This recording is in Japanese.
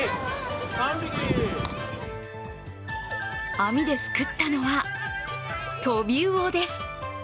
網ですくったのは飛び魚です。